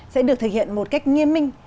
sẽ được thực hiện một cách nghiêm minh